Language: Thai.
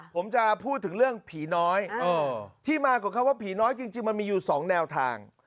ผมจะพูดถึงเรื่องผีน้อยที่มาของคำว่าผีน้อยจริงมันมีอยู่๒แนวทาง